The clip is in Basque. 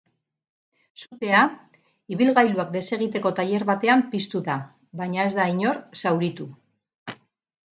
Sutea ibilgailuak desegiteko tailer batean piztu da, baina ez da inor zauritu.